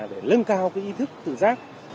để lân cao ý thức tự giác